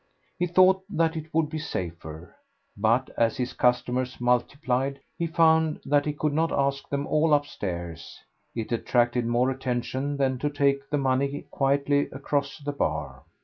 He thought that it would be safer. But as his customers multiplied he found that he could not ask them all upstairs; it attracted more attention than to take the money quietly across the bar.